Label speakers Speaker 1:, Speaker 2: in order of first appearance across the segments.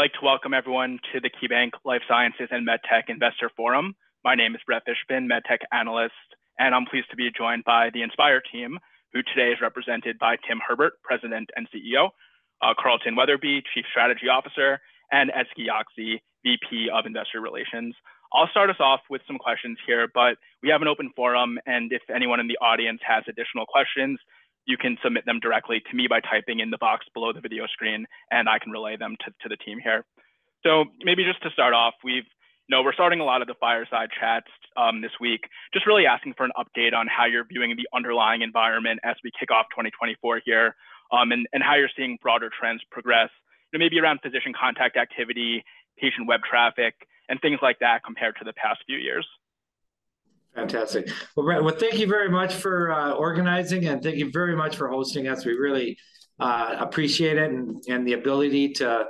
Speaker 1: All right, I'd like to welcome everyone to the KeyBanc Life Sciences and MedTech Investor Forum. My name is Brett Fishbin, MedTech analyst, and I'm pleased to be joined by the Inspire team, who today is represented by Tim Herbert, President and CEO, Carlton Weatherby, Chief Strategy Officer, and Ezgi Yagci, VP of Investor Relations. I'll start us off with some questions here, but we have an open forum, and if anyone in the audience has additional questions, you can submit them directly to me by typing in the box below the video screen, and I can relay them to the team here. So maybe just to start off, we know we're starting a lot of the fireside chats this week. Just really asking for an update on how you're viewing the underlying environment as we kick off 2024 here, and how you're seeing broader trends progress, you know, maybe around physician contact activity, patient web traffic, and things like that, compared to the past few years?
Speaker 2: Fantastic. Well, Brett, well, thank you very much for organizing, and thank you very much for hosting us. We really appreciate it and, and the ability to,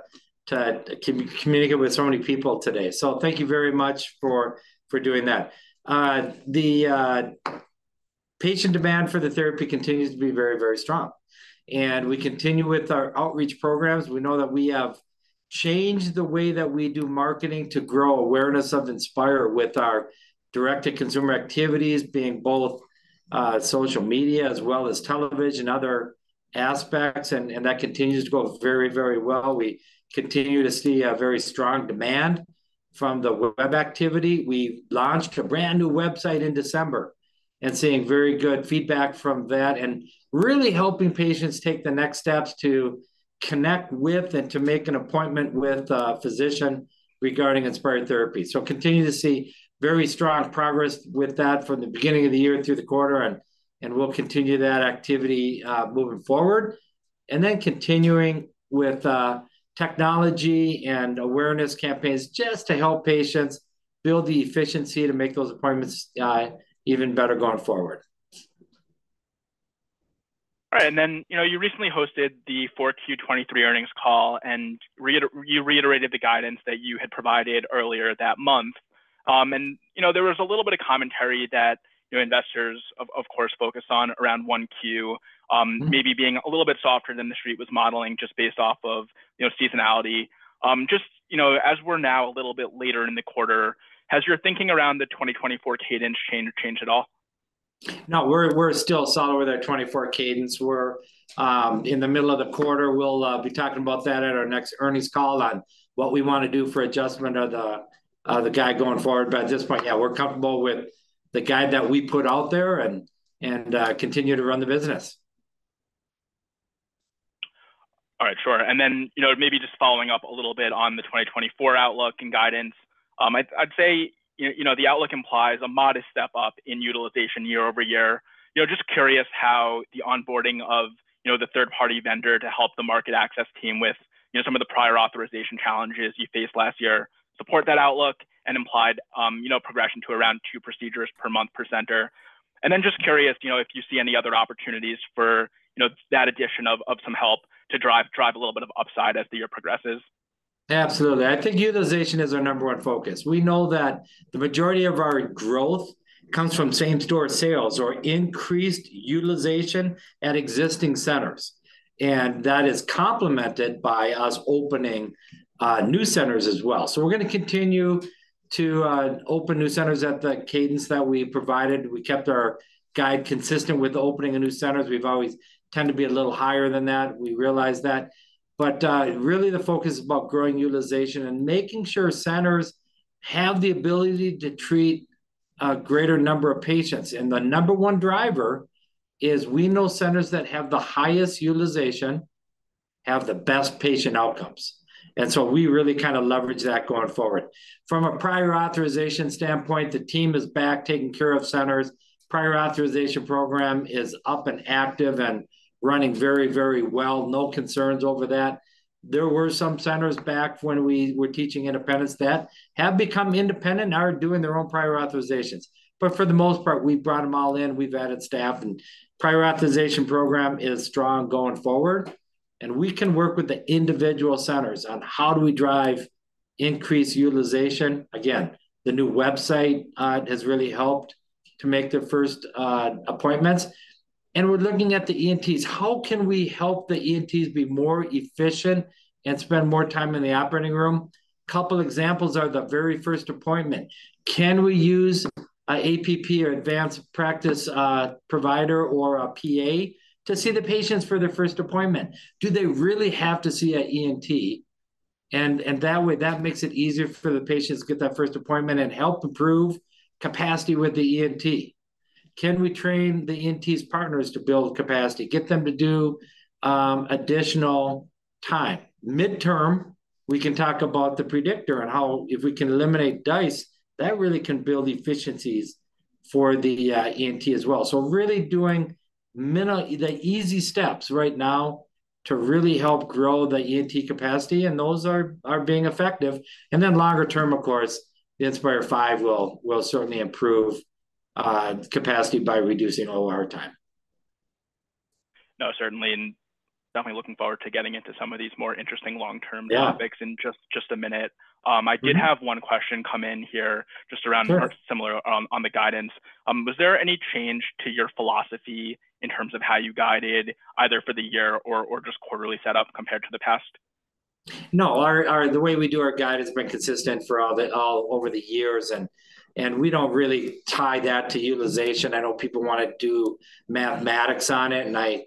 Speaker 2: to communicate with so many people today. So thank you very much for doing that. The patient demand for the therapy continues to be very, very strong, and we continue with our outreach programs. We know that we have changed the way that we do marketing to grow awareness of Inspire with our direct-to-consumer activities, being both social media as well as television and other aspects, and that continues to go very, very well. We continue to see a very strong demand from the web activity. We've launched a brand-new website in December, and seeing very good feedback from that, and really helping patients take the next steps to connect with and to make an appointment with physician regarding Inspire Therapy. So continue to see very strong progress with that from the beginning of the year through the quarter, and we'll continue that activity moving forward. And then continuing with technology and awareness campaigns, just to help patients build the efficiency to make those appointments even better going forward.
Speaker 1: All right, and then, you know, you recently hosted the 4Q 2023 earnings call, and you reiterated the guidance that you had provided earlier that month. And, you know, there was a little bit of commentary that, you know, investors, of course, focus on around 1Q-
Speaker 2: Mm-hmm...
Speaker 1: maybe being a little bit softer than the street was modeling, just based off of, you know, seasonality. Just, you know, as we're now a little bit later in the quarter, has your thinking around the 2024 cadence change, changed at all?
Speaker 2: No, we're still solid with our 24 cadence. We're in the middle of the quarter. We'll be talking about that at our next earnings call on what we wanna do for adjustment of the guide going forward. But at this point, yeah, we're comfortable with the guide that we put out there, and continue to run the business.
Speaker 1: All right, sure. And then, you know, maybe just following up a little bit on the 2024 outlook and guidance, I'd say, you know, the outlook implies a modest step up in utilization year-over-year. You know, just curious how the onboarding of, you know, the third-party vendor to help the market access team with, you know, some of the prior authorization challenges you faced last year, support that outlook and implied, you know, progression to around 2 procedures per month per center. And then just curious, you know, if you see any other opportunities for, you know, that addition of some help to drive a little bit of upside as the year progresses.
Speaker 2: Absolutely. I think utilization is our number one focus. We know that the majority of our growth comes from same-store sales or increased utilization at existing centers, and that is complemented by us opening new centers as well. So we're gonna continue to open new centers at the cadence that we provided. We kept our guide consistent with opening of new centers. We've always tend to be a little higher than that, we realize that. But really the focus is about growing utilization and making sure centers have the ability to treat a greater number of patients. And the number one driver is we know centers that have the highest utilization, have the best patient outcomes, and so we really kind of leverage that going forward. From a prior authorization standpoint, the team is back taking care of centers. Prior authorization program is up and active and running very, very well. No concerns over that. There were some centers back when we were teaching independents that have become independent and are doing their own prior authorizations. But for the most part, we've brought them all in, we've added staff, and prior authorization program is strong going forward, and we can work with the individual centers on: How do we drive increased utilization? Again, the new website has really helped to make the first appointments. And we're looking at the ENTs. How can we help the ENTs be more efficient and spend more time in the operating room? Couple examples are the very first appointment. Can we use a APP or advanced practice provider or a PA to see the patients for their first appointment? Do they really have to see a ENT? That way, that makes it easier for the patients to get that first appointment and help improve capacity with the ENT. Can we train the ENTs' partners to build capacity, get them to do additional time? Midterm, we can talk about the predictor and how if we can eliminate DISE, that really can build efficiencies for the ENT as well. So really doing minimal the easy steps right now to really help grow the ENT capacity, and those are being effective. And then longer term, of course, the Inspire V will certainly improve capacity by reducing OR time.
Speaker 1: No, certainly, and definitely looking forward to getting into some of these more interesting long-term-
Speaker 2: Yeah
Speaker 1: ...topics in just a minute. I did have one question come in here just around-
Speaker 2: Sure
Speaker 1: Similar, on the guidance. Was there any change to your philosophy in terms of how you guided, either for the year or just quarterly setup compared to the past?
Speaker 2: No, the way we do our guide has been consistent for all over the years, and we don't really tie that to utilization. I know people wanna do mathematics on it, and I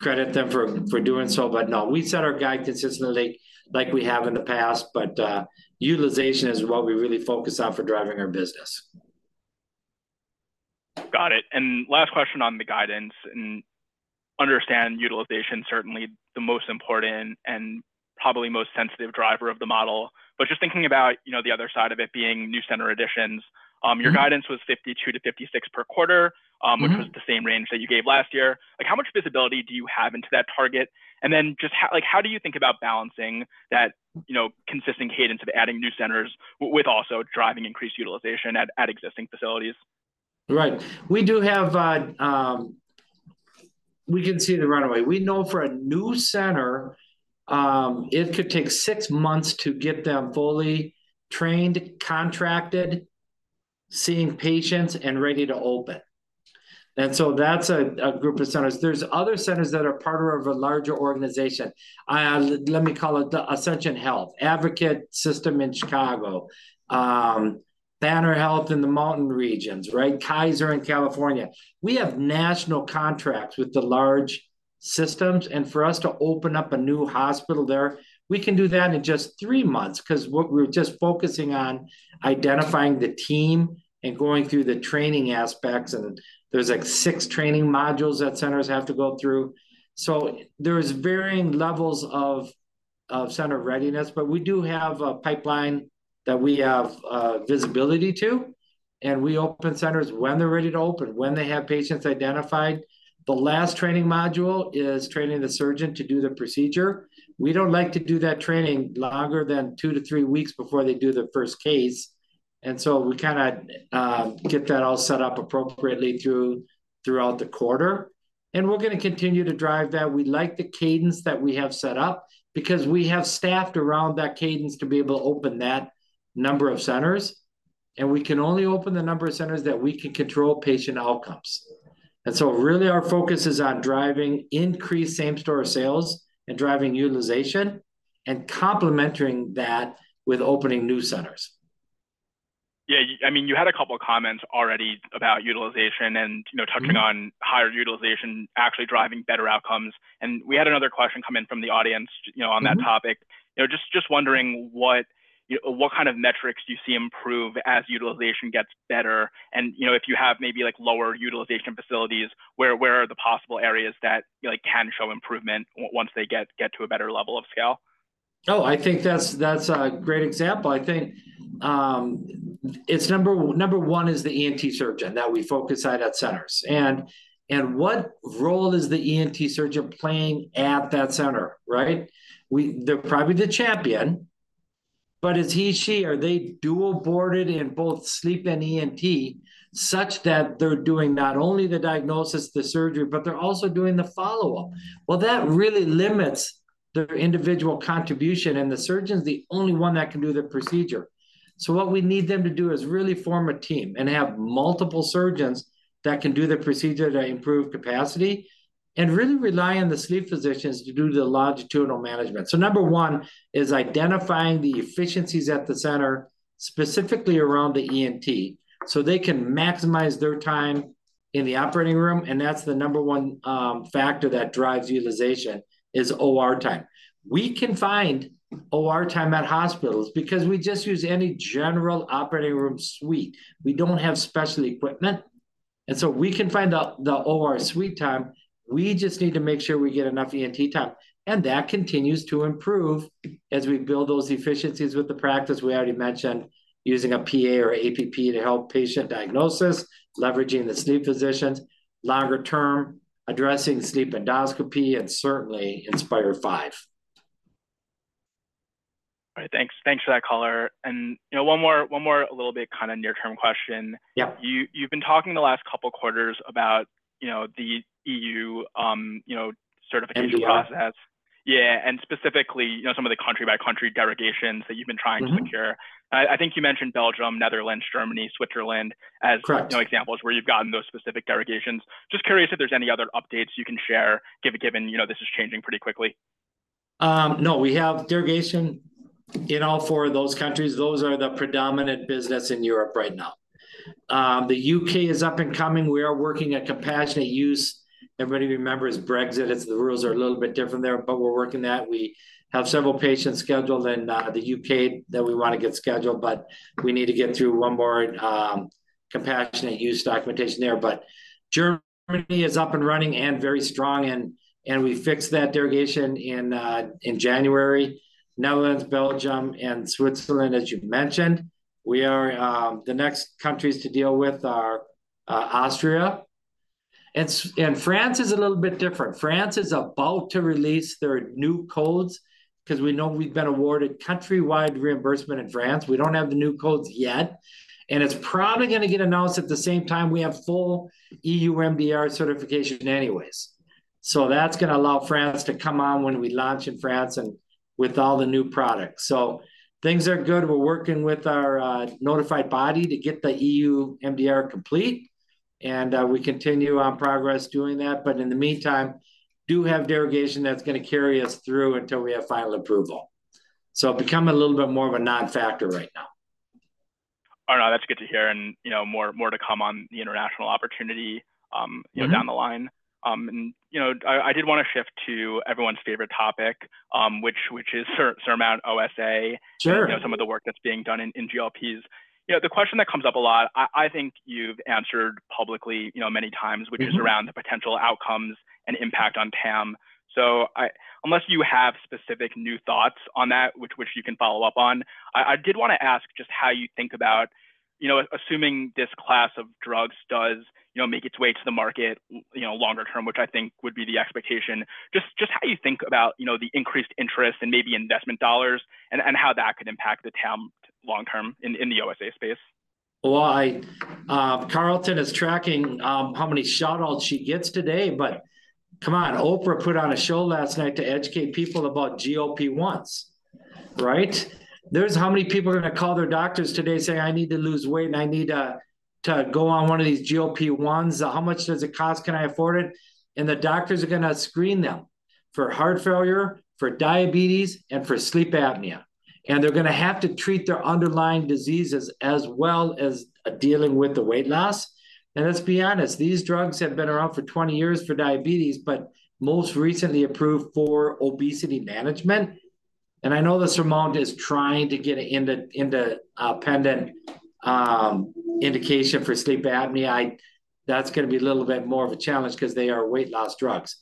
Speaker 2: credit them for doing so. But no, we set our guide consistently like we have in the past, but utilization is what we really focus on for driving our business.
Speaker 1: Got it. Last question on the guidance, and understand utilization certainly the most important and probably most sensitive driver of the model. But just thinking about, you know, the other side of it being new center additions-
Speaker 2: Mm-hmm.
Speaker 1: Your guidance was 52-56 per quarter-
Speaker 2: Mm-hmm...
Speaker 1: which was the same range that you gave last year. Like, how much visibility do you have into that target? And then just how, like, how do you think about balancing that, you know, consistent cadence of adding new centers with also driving increased utilization at existing facilities?
Speaker 2: Right. We do have. We can see the runway. We know for a new center, it could take six months to get them fully trained, contracted, seeing patients, and ready to open, and so that's a group of centers. There's other centers that are part of a larger organization. Let me call it the Ascension, Advocate Health system in Chicago, Banner Health in the mountain regions, right? Kaiser in California. We have national contracts with the large systems, and for us to open up a new hospital there, we can do that in just three months, 'cause we're just focusing on identifying the team and going through the training aspects, and there's, like, six training modules that centers have to go through. So there's varying levels of, of center readiness, but we do have a pipeline that we have, visibility to, and we open centers when they're ready to open, when they have patients identified. The last training module is training the surgeon to do the procedure. We don't like to do that training longer than 2-3 weeks before they do their first case, and so we kinda, get that all set up appropriately throughout the quarter, and we're gonna continue to drive that. We like the cadence that we have set up, because we have staffed around that cadence to be able to open that number of centers, and we can only open the number of centers that we can control patient outcomes. And so really, our focus is on driving increased same-store sales and driving utilization, and complementing that with opening new centers.
Speaker 1: Yeah, I mean, you had a couple comments already about utilization and, you know-
Speaker 2: Mm-hmm...
Speaker 1: touching on higher utilization, actually driving better outcomes. And we had another question come in from the audience, you know, on that topic.
Speaker 2: Mm-hmm.
Speaker 1: You know, just wondering, you know, what kind of metrics do you see improve as utilization gets better? And, you know, if you have maybe, like, lower utilization facilities, where are the possible areas that, like, can show improvement once they get to a better level of scale?
Speaker 2: Oh, I think that's, that's a great example. I think, it's number one is the ENT surgeon that we focus on at centers. And what role does the ENT surgeon playing at that center, right? We... They're probably the champion, but is he, she, are they dual boarded in both sleep and ENT, such that they're doing not only the diagnosis, the surgery, but they're also doing the follow-up? Well, that really limits the individual contribution, and the surgeon's the only one that can do the procedure. So what we need them to do is really form a team and have multiple surgeons that can do the procedure to improve capacity, and really rely on the sleep physicians to do the longitudinal management. So number one is identifying the efficiencies at the center, specifically around the ENT, so they can maximize their time in the operating room, and that's the number one factor that drives utilization, is OR time. We can find OR time at hospitals, because we just use any general operating room suite. We don't have special equipment, and so we can find the OR suite time. We just need to make sure we get enough ENT time, and that continues to improve as we build those efficiencies with the practice. We already mentioned using a PA or APP to help patient diagnosis, leveraging the sleep physicians, longer term, addressing sleep endoscopy, and certainly Inspire V.
Speaker 1: All right, thanks. Thanks for that color. And, you know, one more, one more a little bit kinda near-term question.
Speaker 2: Yeah.
Speaker 1: You, you've been talking the last couple of quarters about, you know, the EU, you know, certification-
Speaker 2: MDR...
Speaker 1: process. Yeah, and specifically, you know, some of the country-by-country derogations that you've been trying-
Speaker 2: Mm-hmm...
Speaker 1: to secure. I think you mentioned Belgium, Netherlands, Germany, Switzerland as-
Speaker 2: Correct...
Speaker 1: you know, examples where you've gotten those specific derogations. Just curious if there's any other updates you can share, given you know, this is changing pretty quickly.
Speaker 2: No, we have derogation in all four of those countries. Those are the predominant business in Europe right now. The UK is up and coming. We are working at compassionate use. Everybody remembers Brexit, as the rules are a little bit different there, but we're working that. We have several patients scheduled in the UK that we wanna get scheduled, but we need to get through one more compassionate use documentation there. But Germany is up and running and very strong, and we fixed that derogation in January. Netherlands, Belgium, and Switzerland, as you've mentioned. The next countries to deal with are Austria, and France is a little bit different. France is about to release their new codes, 'cause we know we've been awarded countrywide reimbursement in France. We don't have the new codes yet, and it's probably gonna get announced at the same time we have full EU MDR certification anyways. So that's gonna allow France to come on when we launch in France, and with all the new products. So things are good. We're working with our notified body to get the EU MDR complete, and we continue on progress doing that. But in the meantime, do have derogation that's gonna carry us through until we have final approval. So become a little bit more of a non-factor right now.
Speaker 1: All right, that's good to hear, and, you know, more to come on the international opportunity, you know—
Speaker 2: Mm-hmm
Speaker 1: down the line. You know, I did wanna shift to everyone's favorite topic, which is SURMOUNT-OSA.
Speaker 2: Sure.
Speaker 1: You know, some of the work that's being done in GLPs. You know, the question that comes up a lot, I think you've answered publicly, you know, many times-
Speaker 2: Mm-hmm...
Speaker 1: which is around the potential outcomes and impact on TAM. So I unless you have specific new thoughts on that, which you can follow up on, I did wanna ask just how you think about, you know, assuming this class of drugs does, you know, make its way to the market, you know, longer term, which I think would be the expectation, just how you think about, you know, the increased interest and maybe investment dollars, and how that could impact the TAM long term in the OSA space?
Speaker 2: Well, Carlton is tracking how many shout-outs she gets today, but come on, Oprah put on a show last night to educate people about GLP-1s, right? How many people are gonna call their doctors today saying, "I need to lose weight, and I need to go on one of these GLP-1s. How much does it cost? Can I afford it?" And the doctors are gonna screen them for heart failure, for diabetes, and for sleep apnea, and they're gonna have to treat their underlying diseases as well as dealing with the weight loss. And let's be honest, these drugs have been around for 20 years for diabetes, but most recently approved for obesity management. And I know the SURMOUNT is trying to get it in the indication for sleep apnea. That's gonna be a little bit more of a challenge 'cause they are weight loss drugs.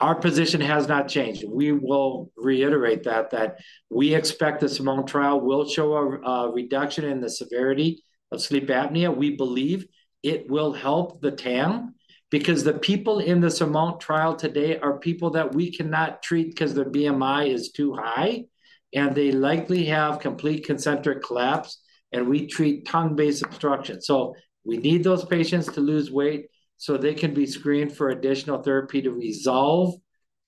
Speaker 2: Our position has not changed, and we will reiterate that we expect the SURMOUNT trial will show a reduction in the severity of sleep apnea. We believe it will help the TAM because the people in the SURMOUNT trial today are people that we cannot treat 'cause their BMI is too high, and they likely have complete concentric collapse, and we treat tongue-based obstruction. So we need those patients to lose weight, so they can be screened for additional therapy to resolve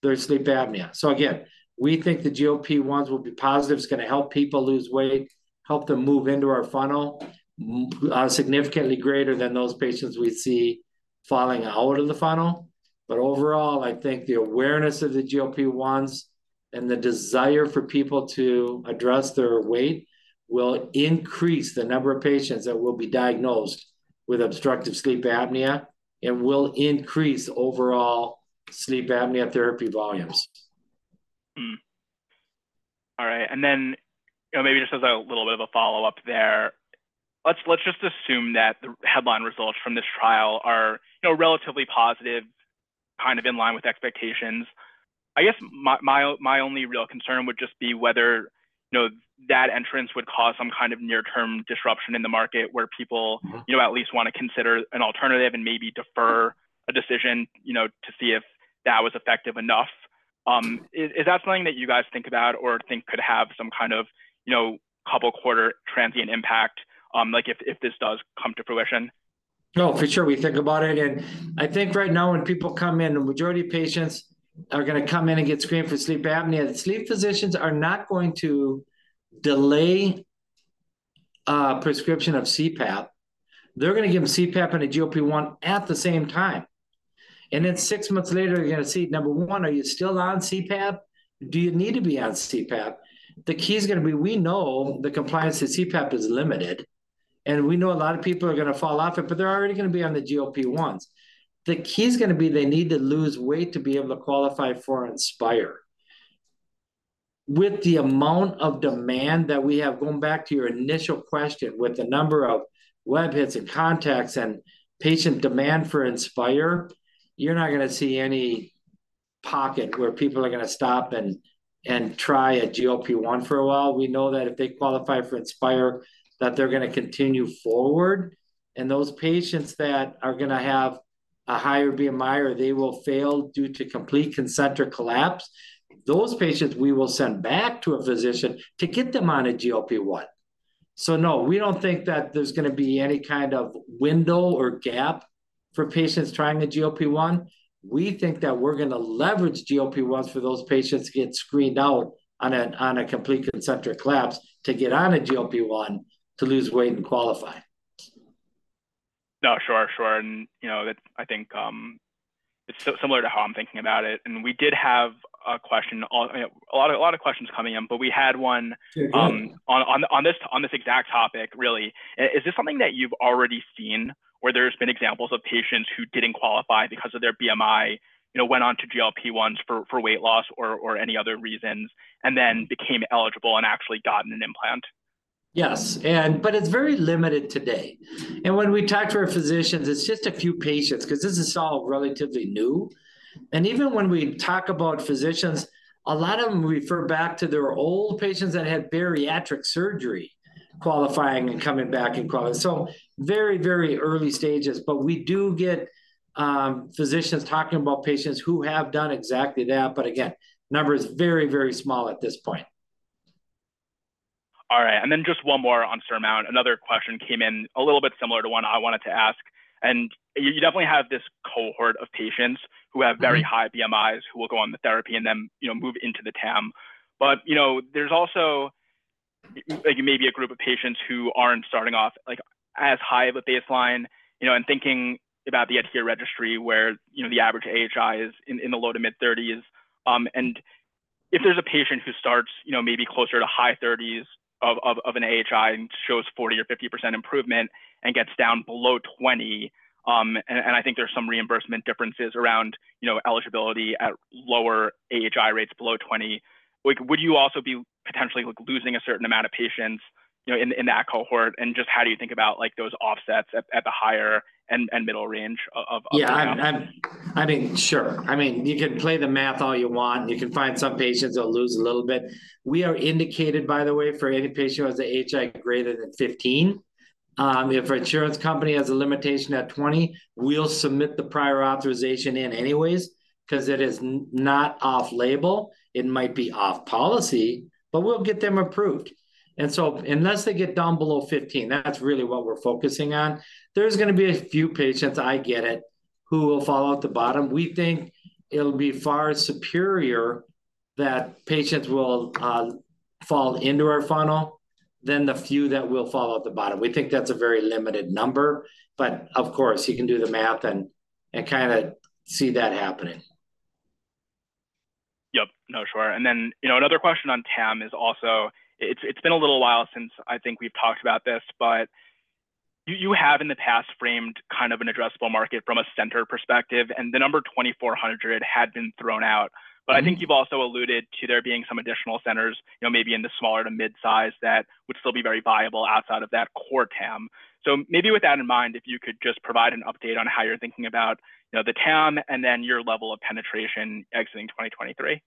Speaker 2: their sleep apnea. So again, we think the GLP-1s will be positive. It's gonna help people lose weight, help them move into our funnel, significantly greater than those patients we see falling out of the funnel. But overall, I think the awareness of the GLP-1s and the desire for people to address their weight will increase the number of patients that will be diagnosed with obstructive sleep apnea and will increase overall sleep apnea therapy volumes.
Speaker 1: Hmm. All right, and then, you know, maybe just as a little bit of a follow-up there, let's just assume that the headline results from this trial are, you know, relatively positive, kind of in line with expectations. I guess my only real concern would just be whether, you know, that entrance would cause some kind of near-term disruption in the market, where people-
Speaker 2: Mm-hmm...
Speaker 1: you know, at least wanna consider an alternative and maybe defer a decision, you know, to see if that was effective enough. Is that something that you guys think about or think could have some kind of, you know, couple quarter transient impact, like, if this does come to fruition?
Speaker 2: No, for sure, we think about it, and I think right now, when people come in, the majority of patients are gonna come in and get screened for sleep apnea. The sleep physicians are not going to delay prescription of CPAP. They're gonna give them CPAP and a GLP-1 at the same time, and then six months later, you're gonna see, number one, are you still on CPAP? Do you need to be on CPAP? The key is gonna be, we know the compliance to CPAP is limited, and we know a lot of people are gonna fall off it, but they're already gonna be on the GLP-1s. The key is gonna be they need to lose weight to be able to qualify for Inspire. With the amount of demand that we have, going back to your initial question, with the number of web hits and contacts and patient demand for Inspire, you're not gonna see any pocket where people are gonna stop and try a GLP-1 for a while. We know that if they qualify for Inspire, that they're gonna continue forward, and those patients that are gonna have a higher BMI, or they will fail due to complete concentric collapse, those patients we will send back to a physician to get them on a GLP-1. So no, we don't think that there's gonna be any kind of window or gap for patients trying a GLP-1. We think that we're gonna leverage GLP-1s for those patients who get screened out on a complete concentric collapse to get on a GLP-1 to lose weight and qualify.
Speaker 1: No, sure, sure, and, you know, that's... I think, it's so similar to how I'm thinking about it, and we did have a question, I mean, a lot of, a lot of questions coming in, but we had one-
Speaker 2: Mm-hmm...
Speaker 1: on this exact topic, really. Is this something that you've already seen, where there's been examples of patients who didn't qualify because of their BMI, you know, went on to GLP-1s for weight loss or any other reasons, and then became eligible and actually gotten an implant?
Speaker 2: Yes, but it's very limited today. When we talk to our physicians, it's just a few patients 'cause this is all relatively new. Even when we talk about physicians, a lot of them refer back to their old patients that had bariatric surgery, qualifying and coming back and qualifying. Very, very early stages, but we do get, physicians talking about patients who have done exactly that, but again, number is very, very small at this point.
Speaker 1: ...And then just one more on SURMOUNT. Another question came in, a little bit similar to one I wanted to ask. And you definitely have this cohort of patients who have-
Speaker 2: Mm-hmm...
Speaker 1: very high BMIs, who will go on the therapy and then, you know, move into the TAM. But, you know, there's also, like, maybe a group of patients who aren't starting off, like, as high of a baseline, you know, and thinking about the ADHERE, registry where, you know, the average AHI is in the low- to mid-30s. And if there's a patient who starts, you know, maybe closer to high 30s of an AHI and shows 40% or 50% improvement and gets down below 20, and I think there's some reimbursement differences around, you know, eligibility at lower AHI rates below 20, like, would you also be potentially, like, losing a certain amount of patients, you know, in that cohort? Just how do you think about, like, those offsets at the higher and middle range of SURMOUNT?
Speaker 2: Yeah, I mean, sure. I mean, you can play the math all you want, you can find some patients that'll lose a little bit. We are indicated, by the way, for any patient who has a AHI greater than 15. If our insurance company has a limitation at 20, we'll submit the prior authorization in anyways, 'cause it is not off label. It might be off policy, but we'll get them approved. And so unless they get down below 15, that's really what we're focusing on. There's gonna be a few patients, I get it, who will fall out the bottom. We think it'll be far superior that patients will fall into our funnel than the few that will fall out the bottom. We think that's a very limited number, but of course, you can do the math and kind of see that happening.
Speaker 1: Yep. No, sure. And then, you know, another question on TAM is also... It's been a little while since I think we've talked about this, but you have in the past framed kind of an addressable market from a center perspective, and the number 2,400 had been thrown out.
Speaker 2: Mm-hmm.
Speaker 1: But I think you've also alluded to there being some additional centers, you know, maybe in the smaller to midsize, that would still be very viable outside of that core TAM. So maybe with that in mind, if you could just provide an update on how you're thinking about, you know, the TAM and then your level of penetration exiting 2023.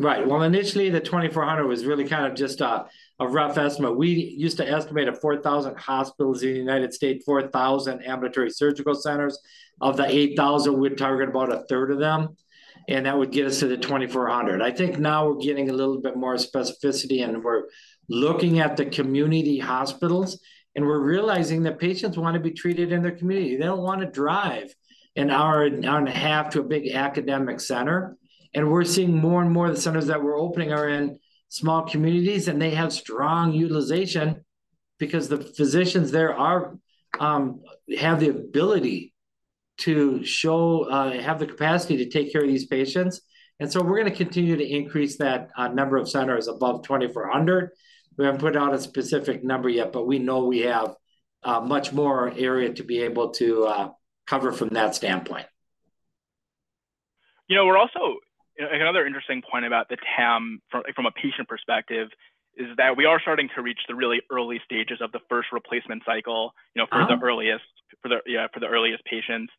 Speaker 2: Right. Well, initially, the 2,400 was really kind of just a rough estimate. We used to estimate 4,000 hospitals in the United States, 4,000 ambulatory surgical centers. Of the 8,000, we're targeting about a third of them, and that would get us to the 2,400. I think now we're getting a little bit more specificity, and we're looking at the community hospitals, and we're realizing that patients wanna be treated in their community. They don't wanna drive an hour, an hour and a half to a big academic center. And we're seeing more and more of the centers that we're opening are in small communities, and they have strong utilization because the physicians there are, have the ability to show, have the capacity to take care of these patients. And so we're gonna continue to increase that, number of centers above 2,400. We haven't put out a specific number yet, but we know we have much more area to be able to cover from that standpoint.
Speaker 1: You know, we're also... another interesting point about the TAM from a patient perspective is that we are starting to reach the really early stages of the first replacement cycle, you know-
Speaker 2: Uh-huh...
Speaker 1: for the earliest patients.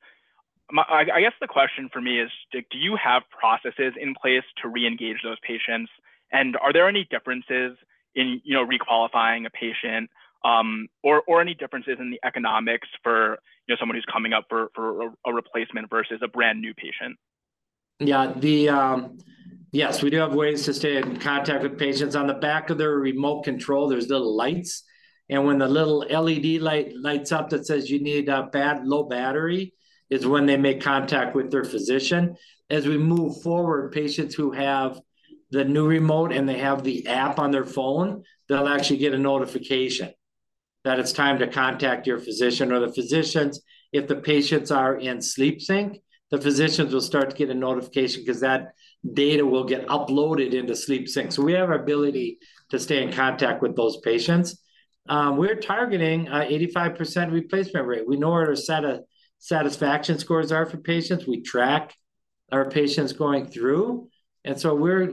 Speaker 1: I guess the question for me is: Do you have processes in place to re-engage those patients, and are there any differences in, you know, re-qualifying a patient, or any differences in the economics for, you know, somebody who's coming up for a replacement versus a brand-new patient?
Speaker 2: Yeah, Yes, we do have ways to stay in contact with patients. On the back of their remote control, there's little lights, and when the little LED light lights up that says, "You need a low battery," is when they make contact with their physician. As we move forward, patients who have the new remote and they have the app on their phone, they'll actually get a notification that it's time to contact your physician or the physicians. If the patients are in SleepSync, the physicians will start to get a notification, 'cause that data will get uploaded into SleepSync. So we have ability to stay in contact with those patients. We're targeting a 85% replacement rate. We know what our satisfaction scores are for patients. We track our patients going through, and so we're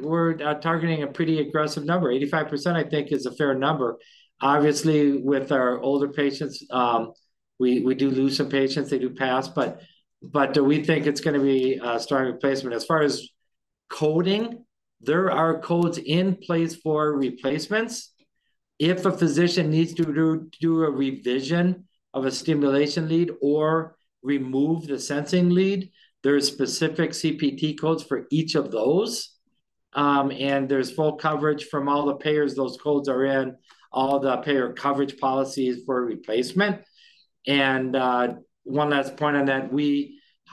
Speaker 2: targeting a pretty aggressive number. 85%, I think, is a fair number. Obviously, with our older patients, we do lose some patients, they do pass, but we think it's gonna be strong replacement. As far as coding, there are codes in place for replacements. If a physician needs to do a revision of a stimulation lead or remove the sensing lead, there are specific CPT codes for each of those, and there's full coverage from all the payers. Those codes are in all the payer coverage policies for replacement. And one last point on that,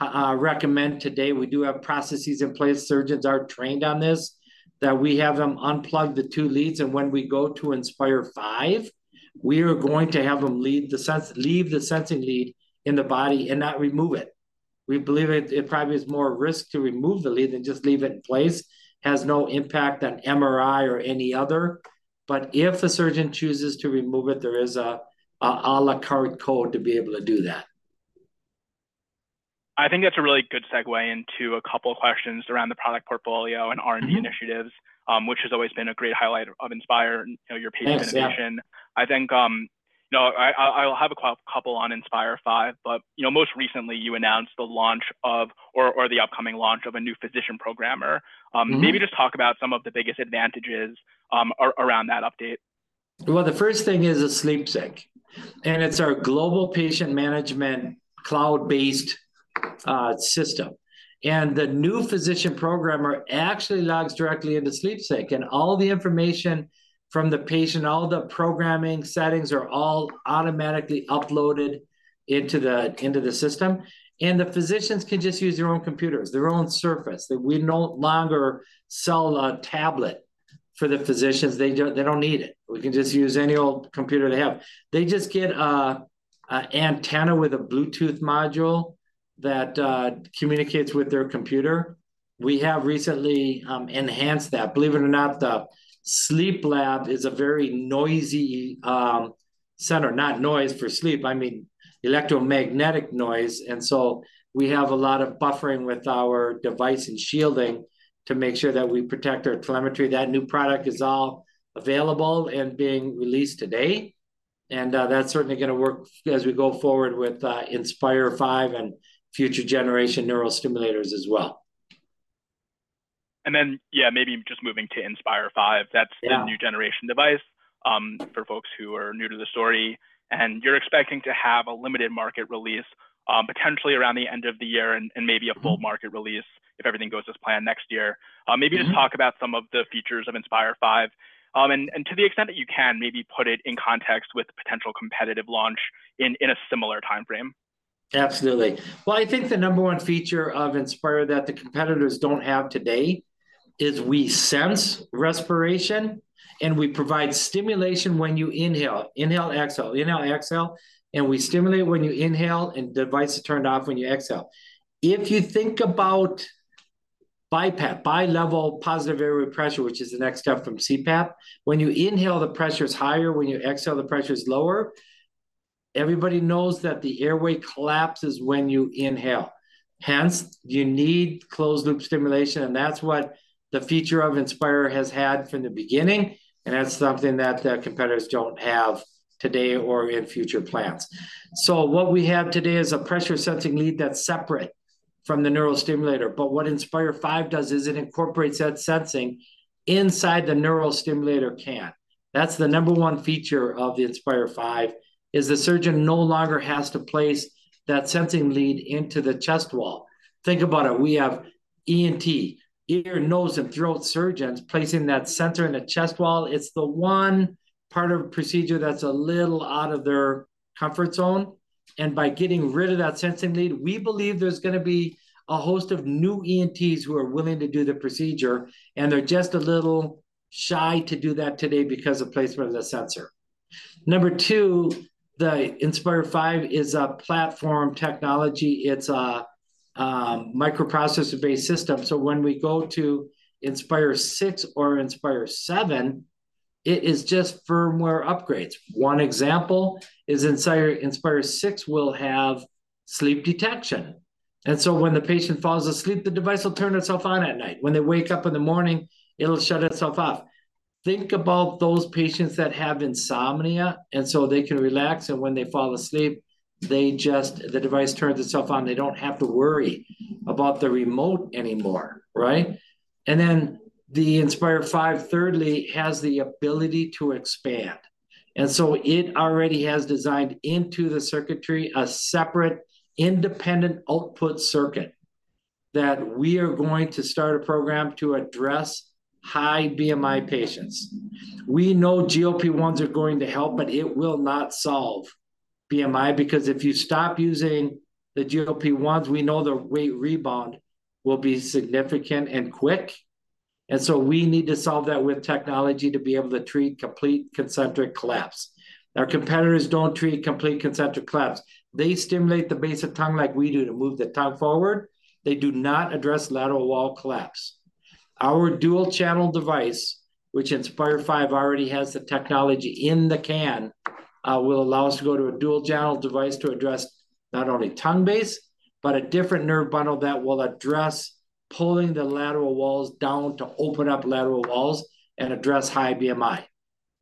Speaker 2: we recommend today, we do have processes in place, surgeons are trained on this, that we have them unplug the two leads, and when we go to Inspire V, we are going to have them leave the sensing lead in the body and not remove it. We believe it probably is more risk to remove the lead than just leave it in place. Has no impact on MRI or any other, but if a surgeon chooses to remove it, there is a à la carte code to be able to do that.
Speaker 1: I think that's a really good segue into a couple questions around the product portfolio and R&D-
Speaker 2: Mm-hmm...
Speaker 1: initiatives, which has always been a great highlight of Inspire, and you know, your patient innovation.
Speaker 2: Yes, yeah.
Speaker 1: I think, no, I'll have a couple on Inspire V, but, you know, most recently you announced the launch of, or the upcoming launch of a new physician programmer.
Speaker 2: Mm-hmm.
Speaker 1: Maybe just talk about some of the biggest advantages around that update.
Speaker 2: Well, the first thing is the SleepSync, and it's our global patient management, cloud-based system. And the new physician programmer actually logs directly into SleepSync, and all the information from the patient, all the programming settings are all automatically uploaded into the system. And the physicians can just use their own computers, their own Surface. We no longer sell a tablet for the physicians. They don't, they don't need it. We can just use any old computer they have. They just get an antenna with a Bluetooth module that communicates with their computer. We have recently enhanced that. Believe it or not, the sleep lab is a very noisy center. Not noise for sleep, I mean electromagnetic noise, and so we have a lot of buffering with our device and shielding to make sure that we protect our telemetry. That new product is all available and being released today, and that's certainly gonna work as we go forward with Inspire V and future generation neurostimulators as well.
Speaker 1: And then, yeah, maybe just moving to Inspire V-
Speaker 2: Yeah...
Speaker 1: that's the new generation device for folks who are new to the story, and you're expecting to have a limited market release, potentially around the end of the year, and maybe-
Speaker 2: Mm-hmm...
Speaker 1: a full market release, if everything goes as planned, next year.
Speaker 2: Mm-hmm.
Speaker 1: Maybe just talk about some of the features of Inspire V. And to the extent that you can, maybe put it in context with the potential competitive launch in a similar timeframe.
Speaker 2: Absolutely. Well, I think the number one feature of Inspire that the competitors don't have today is we sense respiration, and we provide stimulation when you inhale. Inhale, exhale, inhale, exhale, and we stimulate when you inhale, and the device is turned off when you exhale. If you think about BiPAP, bilevel positive airway pressure, which is the next step from CPAP, when you inhale, the pressure is higher. When you exhale, the pressure is lower. Everybody knows that the airway collapses when you inhale, hence you need closed loop stimulation, and that's what the feature of Inspire has had from the beginning, and that's something that the competitors don't have today or in future plans. So what we have today is a pressure-sensing lead that's separate from the neurostimulator. But what Inspire V does is it incorporates that sensing inside the neurostimulator can. That's the number one feature of the Inspire V, is the surgeon no longer has to place that sensing lead into the chest wall. Think about it, we have ENT, ear, nose, and throat surgeons, placing that sensor in the chest wall. It's the one part of procedure that's a little out of their comfort zone, and by getting rid of that sensing lead, we believe there's gonna be a host of new ENTs who are willing to do the procedure, and they're just a little shy to do that today because of placement of the sensor. Number two, the Inspire V is a platform technology. It's a microprocessor-based system, so when we go to Inspire VI or Inspire VII, it is just firmware upgrades. One example is Inspire VI will have sleep detection, and so when the patient falls asleep, the device will turn itself on at night. When they wake up in the morning, it'll shut itself off. Think about those patients that have insomnia, and so they can relax, and when they fall asleep, they just... The device turns itself on. They don't have to worry about the remote anymore, right? And then the Inspire V, thirdly, has the ability to expand, and so it already has designed into the circuitry a separate independent output circuit that we are going to start a program to address high BMI patients. We know GLP-1s are going to help, but it will not solve BMI because if you stop using the GLP-1s, we know the weight rebound will be significant and quick. And so we need to solve that with technology to be able to treat complete concentric collapse. Our competitors don't treat complete concentric collapse. They stimulate the base of tongue like we do to move the tongue forward. They do not address lateral wall collapse. Our dual-channel device, which Inspire V already has the technology in the can, will allow us to go to a dual-channel device to address not only tongue base, but a different nerve bundle that will address pulling the lateral walls down to open up lateral walls and address high BMI.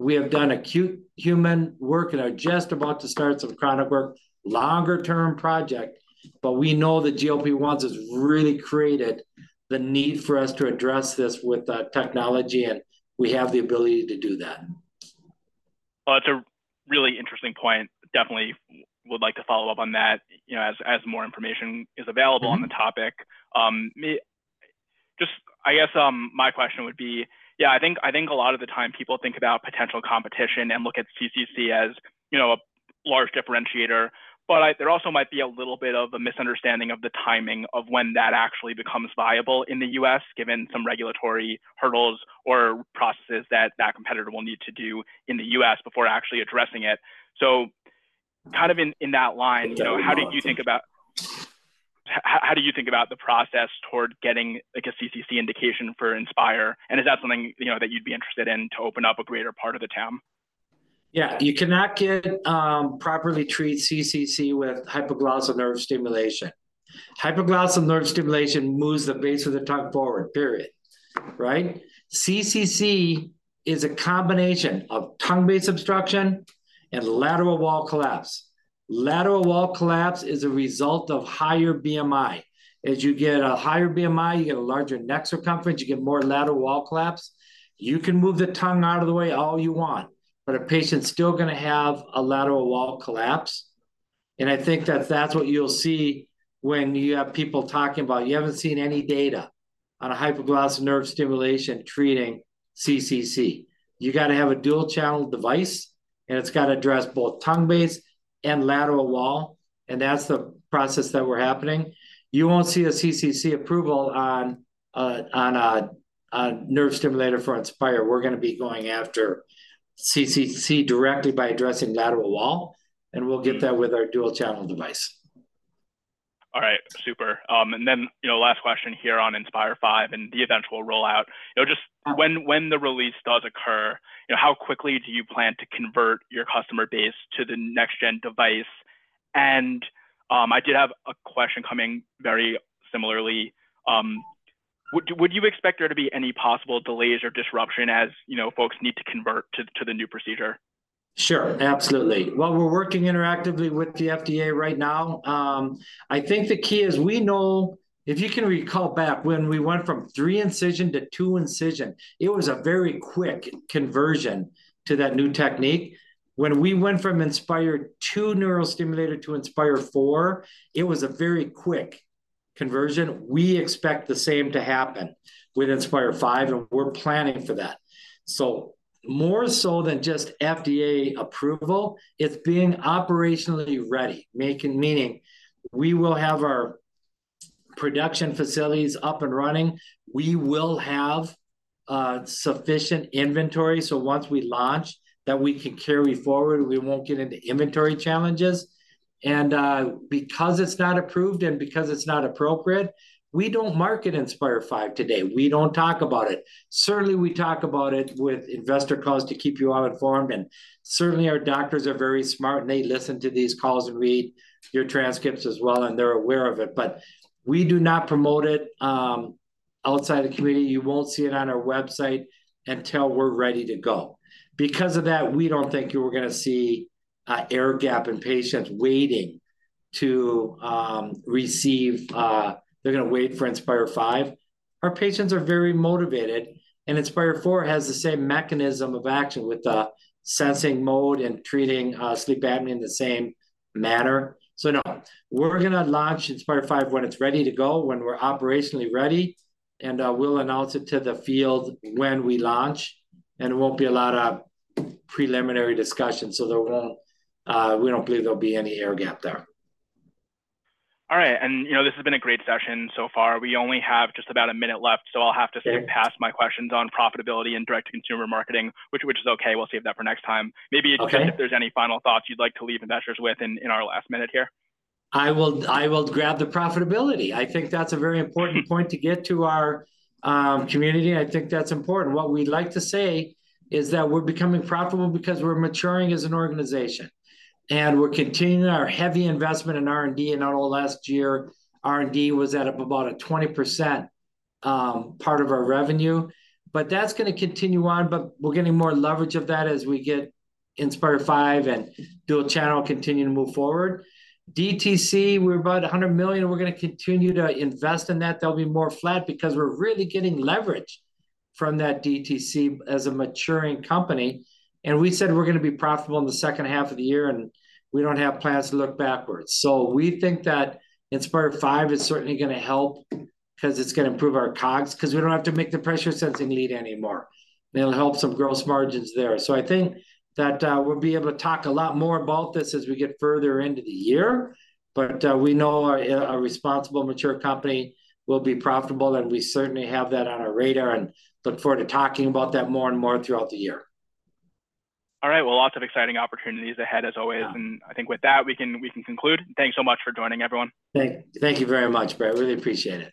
Speaker 2: We have done acute human work and are just about to start some chronic work, longer term project, but we know the GLP-1s has really created the need for us to address this with technology, and we have the ability to do that.
Speaker 1: Well, it's a really interesting point. Definitely would like to follow up on that, you know, as more information is available-
Speaker 2: Mm-hmm...
Speaker 1: on the topic. My question would be... Yeah, I think a lot of the time people think about potential competition and look at CCC as, you know, a large differentiator, but in there also might be a little bit of a misunderstanding of the timing of when that actually becomes viable in the US, given some regulatory hurdles or processes that that competitor will need to do in the US before actually addressing it. So kind of in that line-
Speaker 2: Yeah...
Speaker 1: how do you think about the process toward getting, like, a CCC indication for Inspire? And is that something, you know, that you'd be interested in to open up a greater part of the TAM?
Speaker 2: Yeah, you cannot properly treat CCC with hypoglossal nerve stimulation. Hypoglossal nerve stimulation moves the base of the tongue forward, period, right? CCC is a combination of tongue-based obstruction and lateral wall collapse. Lateral wall collapse is a result of higher BMI, as you get a higher BMI, you get a larger neck circumference, you get more lateral wall collapse. You can move the tongue out of the way all you want, but a patient's still gonna have a lateral wall collapse, and I think that's what you'll see when you have people talking about... You haven't seen any data on a hypoglossal nerve stimulation treating CCC. You gotta have a dual-channel device, and it's gotta address both tongue base and lateral wall, and that's the process that we're happening. You won't see a CCC approval on a nerve stimulator for Inspire. We're gonna be going after CCC directly by addressing lateral wall, and we'll get that with our dual-channel device.
Speaker 1: All right, super. And then, you know, last question here on Inspire V and the eventual rollout. You know, just when, when the release does occur, you know, how quickly do you plan to convert your customer base to the next-gen device? And, I did have a question coming very similarly. Would, would you expect there to be any possible delays or disruption as, you know, folks need to convert to, to the new procedure?
Speaker 2: Sure, absolutely. Well, we're working interactively with the FDA right now. I think the key is we know... If you can recall back when we went from three-incision to two-incision, it was a very quick conversion to that new technique. When we went from Inspire II neurostimulator to Inspire IV, it was a very quick conversion. We expect the same to happen with Inspire V, and we're planning for that. So more so than just FDA approval, it's being operationally ready, meaning we will have our production facilities up and running. We will have sufficient inventory, so once we launch, that we can carry forward, and we won't get into inventory challenges. And because it's not approved and because it's not appropriate, we don't market Inspire V today. We don't talk about it. Certainly, we talk about it with investor calls to keep you all informed, and certainly our doctors are very smart, and they listen to these calls and read your transcripts as well, and they're aware of it. But we do not promote it outside the community. You won't see it on our website until we're ready to go. Because of that, we don't think you are gonna see an air gap in patients waiting to receive... They're gonna wait for Inspire V. Our patients are very motivated, and Inspire IV has the same mechanism of action, with the sensing mode and treating sleep apnea in the same manner. So, no, we're gonna launch Inspire 5 when it's ready to go, when we're operationally ready, and we'll announce it to the field when we launch, and it won't be a lot of preliminary discussion. So there won't, we don't believe there'll be any air gap there.
Speaker 1: All right, and, you know, this has been a great session so far. We only have just about a minute left, so I'll have to-
Speaker 2: Sure...
Speaker 1: skip past my questions on profitability and direct-to-consumer marketing, which is okay. We'll save that for next time.
Speaker 2: Okay.
Speaker 1: Maybe just if there's any final thoughts you'd like to leave investors with in our last minute here?
Speaker 2: I will grab the profitability. I think that's a very important-
Speaker 1: Mm-hmm...
Speaker 2: point to get to our, community, and I think that's important. What we'd like to say is that we're becoming profitable because we're maturing as an organization, and we're continuing our heavy investment in R&D. In our last year, R&D was at about a 20% part of our revenue. But that's gonna continue on, but we're getting more leverage of that as we get Inspire 5 and dual channel continuing to move forward. DTC, we're about $100 million, and we're gonna continue to invest in that. That'll be more flat because we're really getting leverage from that DTC as a maturing company, and we said we're gonna be profitable in the second half of the year, and we don't have plans to look backwards. So we think that Inspire V is certainly gonna help 'cause it's gonna improve our COGS, 'cause we don't have to make the pressure sensing lead anymore, and it'll help some gross margins there. So I think that, we'll be able to talk a lot more about this as we get further into the year, but, we know our, our responsible, mature company will be profitable, and we certainly have that on our radar and look forward to talking about that more and more throughout the year.
Speaker 1: All right. Well, lots of exciting opportunities ahead, as always.
Speaker 2: Yeah...
Speaker 1: and I think with that, we can, we can conclude. Thanks so much for joining, everyone.
Speaker 2: Thank you very much, Brett. I really appreciate it.